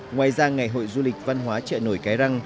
ngoài ra ngày hội du lịch văn hóa chợ nổi cái răng